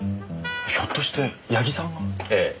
ひょっとして矢木さんが？ええ。